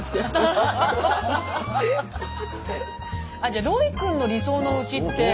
じゃロイ君の理想のおうちって？